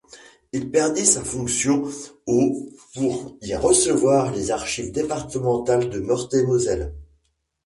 Il perdit sa fonction au pour y recevoir les archives départementales de Meurthe-et-Moselle.